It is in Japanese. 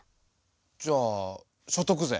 じゃあ所得税。